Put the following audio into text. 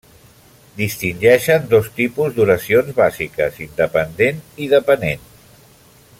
Distingeixen dos tipus d'oracions bàsiques: independent i depenent.